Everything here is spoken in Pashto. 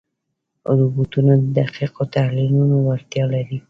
روبوټونه د دقیقو تحلیلونو وړتیا لري.